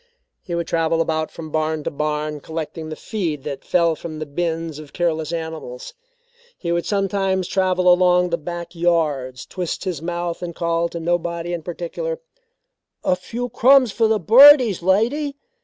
He would travel about from barn to barn collecting the feed that fell from the bins of careless animals. He would sometimes travel along the back yards, twist his mouth and call to nobody in particular: "A few crumbs for the birdies, lady?"